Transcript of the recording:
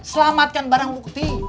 selamatkan barang bukti